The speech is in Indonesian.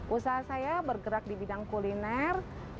usaha saya bergerak di bidang kuliner